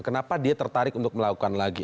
kenapa dia tertarik untuk melakukan lagi